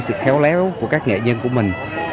sự khéo léo của các nghệ nhân của mình